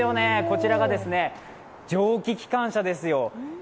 こちらが蒸気機関車ですよ。